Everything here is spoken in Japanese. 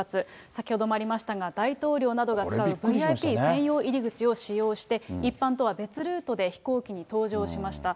先ほどもありましたが、大統領などが使うＶＩＰ専用入り口を使用して、一般とは別ルートで飛行機に搭乗しました。